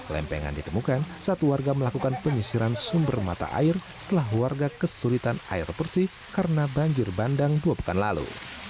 lempengan ditemukan saat warga melakukan penyisiran sumber mata air setelah warga kesulitan air bersih karena banjir bandang dua pekan lalu